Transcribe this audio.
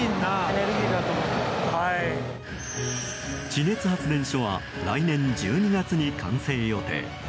地熱発電所は来年１２月に完成予定。